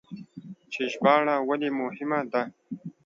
چې ژباړه ولې مهمه ده؟